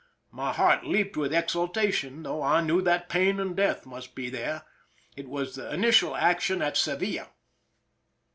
My heart leaped with exultation, though I knew that pain and death must be there. It was the initial action at Sevilla.